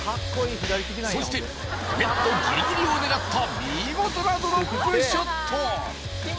そしてネットギリギリを狙った見事なドロップショット